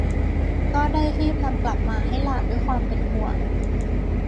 ก็ได้รีบนำกลับมาให้หลานด้วยความเป็นห่วง